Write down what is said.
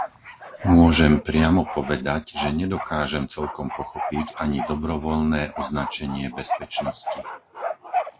Môžem priamo povedať, že nedokážem celkom pochopiť ani dobrovoľné označenie bezpečnosti.